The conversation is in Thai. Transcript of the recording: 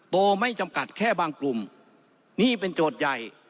ไม่จำกัดแค่บางกลุ่มนี่เป็นโจทย์ใหญ่